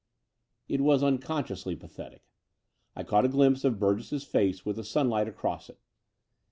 It was unconsciously pathetic. I caught a glimpse of Burgess's face with the sun light across it.